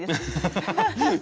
ハハハ。